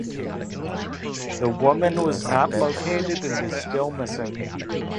The woman was not located and is still missing.